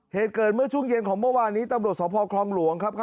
เหตุเกินเมื่อชกเย็นของเมื่อวานนี้ตำหรับต่อพอทรองหลวงครับ